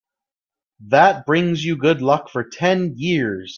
That brings you good luck for ten years.